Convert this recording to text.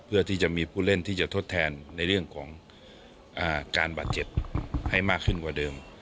เพื่อที่จะมีผู้เล่นที่จะทดแทนในเรื่องของการบาดเจ็บให้มากขึ้นกว่าเดิม